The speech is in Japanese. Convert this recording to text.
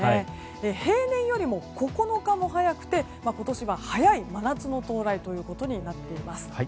平年よりも９日も早くて今年は早い真夏の到来ということになっています。